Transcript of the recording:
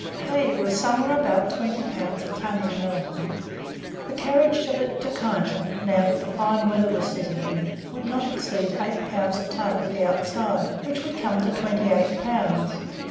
Hay was somewhere about 20 pounds a ton in Melbourne. The carriage of it to Kyneton, now that the fine weather was setting in, would not exceed 8 pounds a ton at the outside, which would come to 28 pounds.